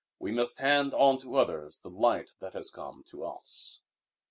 We must hand on to the others the light that has come to us.